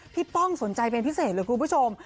พี่ป้องสนใจเพ็ญพิเศษเลยครูผู้ชม